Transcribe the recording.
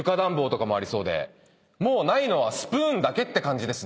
もうないのはスプーンだけって感じですね。